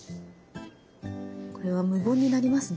これは無言になりますね。